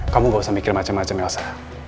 kamu gak usah mikir macam macam elsa